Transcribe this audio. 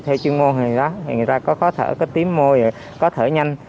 theo chuyên môn người ta có khó thở có tím môi có thở nhanh